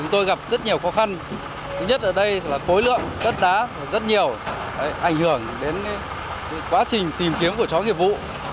thứ nhất ở đây là khối lượng đất đá rất nhiều ảnh hưởng đến quá trình tìm kiếm của chó nghiệp vụ